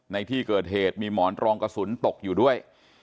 ในที่เกิดเหตุมีหมอนรองกระสุนตกอยู่ด้วย